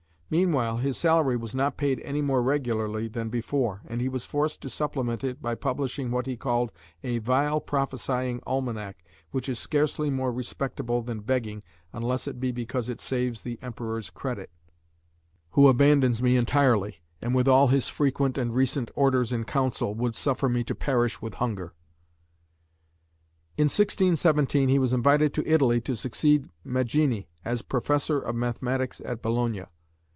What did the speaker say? Meanwhile his salary was not paid any more regularly than before, and he was forced to supplement it by publishing what he called a "vile prophesying almanac which is scarcely more respectable than begging unless it be because it saves the Emperor's credit, who abandons me entirely, and with all his frequent and recent orders in council, would suffer me to perish with hunger". In 1617 he was invited to Italy to succeed Magini as Professor of Mathematics at Bologna.